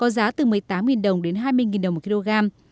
giá miết tăng nhưng nông dân không có thương lái